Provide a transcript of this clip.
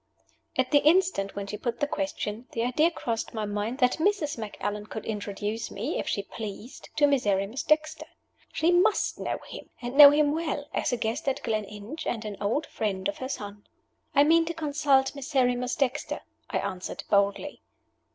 At the instant when she put the question, the idea crossed my mind that Mrs. Macallan could introduce me, if she pleased, to Miserrimus Dexter. She must know him, and know him well, as a guest at Gleninch and an old friend of her son. "I mean to consult Miserrimus Dexter," I answered, boldly.